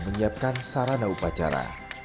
menyiapkan sarana upacara